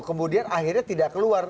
kemudian akhirnya tidak keluar